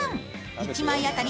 １枚あたり